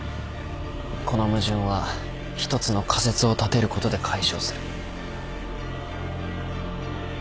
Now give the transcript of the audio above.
この矛盾は１つの仮説を立てることで解消する。